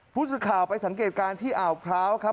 ผู้สื่อข่าวไปสังเกตการณ์ที่อ่าวพร้าวครับ